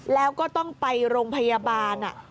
แล้วก็ต้องไปโรงพยาบาล